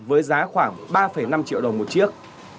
với giá khoảng ba năm triệu đồng một chiếc